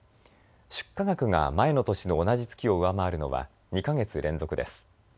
出荷額が前の年の同じ月を上回るのは２か月連続です。